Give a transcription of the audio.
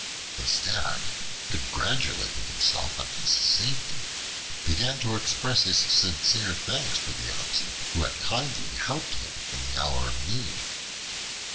The Stag, congratulating himself on his safety, began to express his sincere thanks to the Oxen who had kindly helped him in the hour of need.